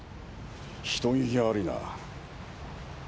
人聞きが悪いな。